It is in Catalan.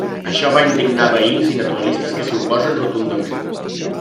Això va indignar veïns i naturalistes que s'hi oposen rotundament.